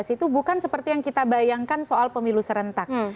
itu bukan seperti yang kita bayangkan soal pemilu serentak